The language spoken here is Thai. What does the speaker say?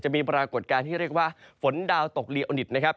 มีปรากฏการณ์ที่เรียกว่าฝนดาวตกลีโอนิตนะครับ